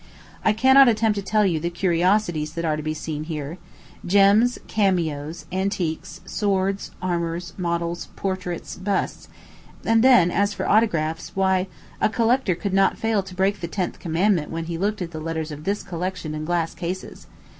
I cannot attempt to tell you the curiosities that are to be seen here gems, cameos, antiques, swords, armors, models, portraits, busts; and then, as for autographs, why, a collector could not fail to break the tenth commandment when he looked at the letters of this collection in glass cases.